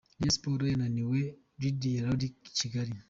Rayon Sports yananiwe Lydia Ludic i Kigali.